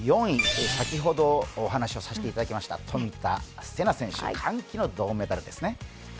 ４位、先ほどお話をさせていただきました冨田せな選手、歓喜の銅メダルですね。